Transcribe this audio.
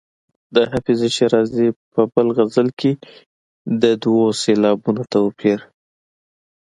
د حافظ شیرازي په بل غزل کې د دوو سېلابونو توپیر.